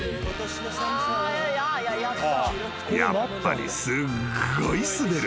［やっぱりすごい滑る］